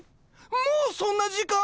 もうそんな時間？